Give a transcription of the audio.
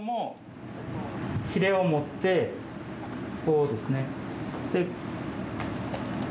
ひれを持ってこうですね。